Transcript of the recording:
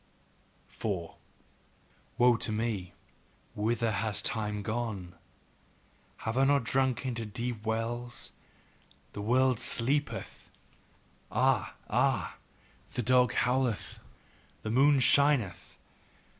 4. Woe to me! Whither hath time gone? Have I not sunk into deep wells? The world sleepeth Ah! Ah! The dog howleth, the moon shineth.